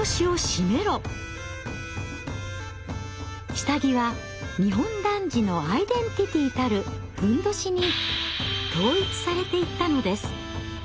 下着は日本男児のアイデンティティーたる褌に統一されていったのです。